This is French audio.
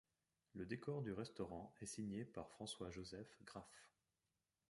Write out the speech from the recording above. Le décor du restaurant est signé par François-Joseph Graf.